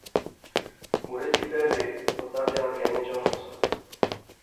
مڑے تھی پہلے او دادھیال گینے چاہنا سا